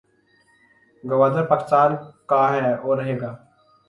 گودار پاکستان کاھے اور رہے گا